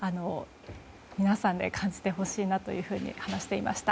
皆さんで感じてほしいなと話していました。